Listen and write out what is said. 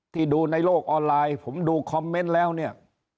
ดูในโลกออนไลน์ผมดูคอมเมนต์แล้วเนี่ย